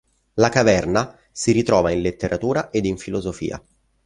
La caverna si ritrova in letteratura ed in filosofia.